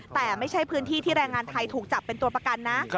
แต่ไม่ใช่พื้นที่ที่แรงงานไทยถูกจับเป็นตัวประกันนะ